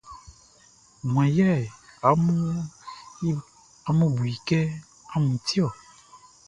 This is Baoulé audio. Wan yɛ amun bu i kɛ amun ti ɔ?